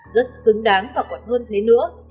rất xứng đáng và còn hơn thế nữa